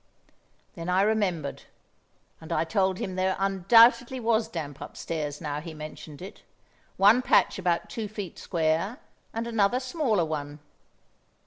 Then I remembered, and I told him there undoubtedly was damp upstairs, now he mentioned it, one patch about two feet square, and another smaller one.